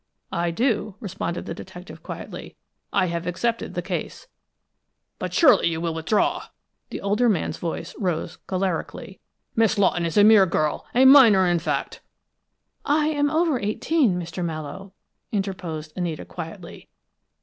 "I do," responded the detective quietly. "I have accepted the case." "But surely you will withdraw?" The older man's voice rose cholerically. "Miss Lawton is a mere girl, a minor, in fact " "I am over eighteen, Mr. Mallowe," interposed Anita quietly.